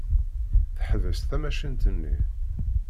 Teḥbes tamacint-nni.